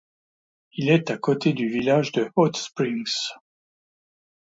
Il est à côté du village de Hot Springs.